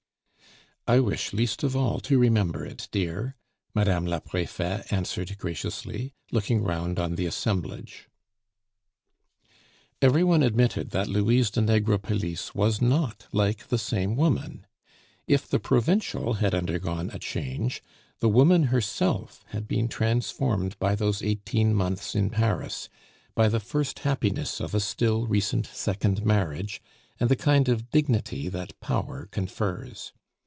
"I wish least of all to remember it, dear," Madame la Prefete answered graciously, looking round on the assemblage. Every one admitted that Louise de Negrepelisse was not like the same woman. If the provincial had undergone a change, the woman herself had been transformed by those eighteen months in Paris, by the first happiness of a still recent second marriage, and the kind of dignity that power confers.